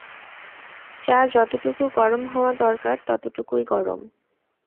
চা যতটুকু গরম হওয়া দরকার ততটুকুই গরম।